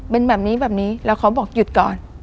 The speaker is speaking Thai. เป็นแบบนี้แบบนี้แล้วเขาบอกหยุดก่อน